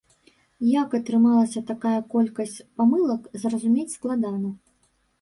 Як атрымалася такая колькасць памылак, зразумець складана.